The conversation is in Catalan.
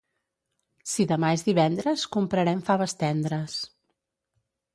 si demà és divendres comprarem faves tendres